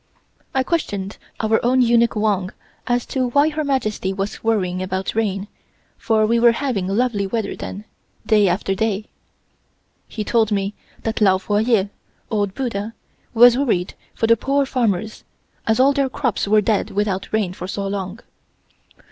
I questioned our own eunuch Wang as to why Her Majesty was worrying about rain, for we were having lovely weather then, day after day. He told me that Lao Fo Yeh (Old Buddha) was worried for the poor farmers, as all their crops were dead without rain for so long.